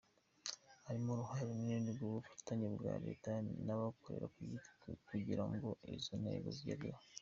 Harimo uruhare runini rw’ubufatanye bwa leta n’abikorera kugira ngo izo ntego zigerweho.